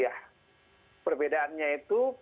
nah perbedaannya itu